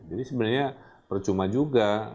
jadi sebenarnya percuma juga